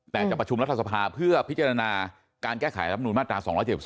แต่จะประชุมรัฐสภาเพื่อพิจารณาการแก้ไขรับนูลมาตรา๒๗๒